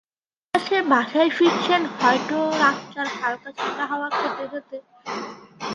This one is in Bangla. দিন শেষে বাসায় ফিরছেন হয়তো রাস্তার হালকা ঠান্ডা হাওয়া খেতে খেতে।